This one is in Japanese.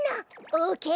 オーケー！